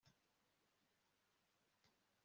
Nyuma ya Dawidi umwami wa zaburi